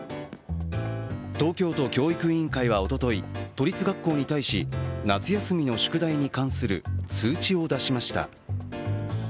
東京都教育委員会はおととい、都立学校に対し夏休みの宿題に関する通知を出しました。